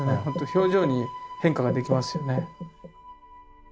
表情に変化ができますよね。